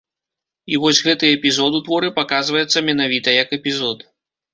І вось гэты эпізод у творы паказваецца менавіта як эпізод.